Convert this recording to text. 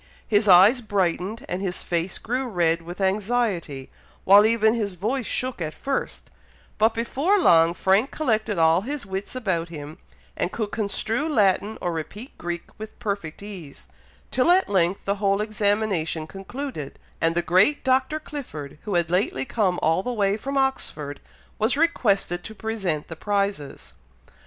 His eyes brightened, and his face grew red with anxiety, while even his voice shook at first; but before long Frank collected all his wits about him, and could construe Latin or repeat Greek with perfect ease, till at length the whole examination concluded, and the great Dr. Clifford, who had lately come all the way from Oxford, was requested to present the prizes.